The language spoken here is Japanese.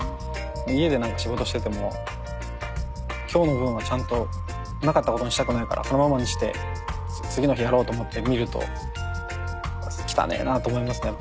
家でなんか仕事してても今日の分はちゃんとなかったことにしたくないからそのままにして次の日やろうと思って見ると汚えなと思いますね